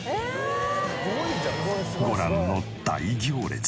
ご覧の大行列。